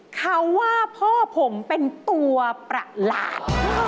เขาว่าพ่อผมเป็นตัวประหลาด